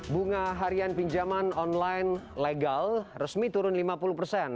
bunga harian pinjaman online legal resmi turun lima puluh persen